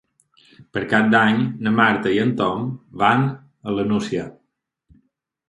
Per Cap d'Any na Marta i en Tom van a la Nucia.